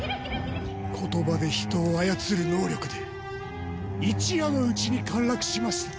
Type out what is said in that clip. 言葉で人を操る能力で一夜のうちに陥落しました。